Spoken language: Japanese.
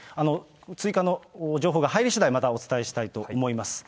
追加の情報が入りしだい、またお伝えしたいと思います。